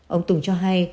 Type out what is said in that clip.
ông tùng cho hay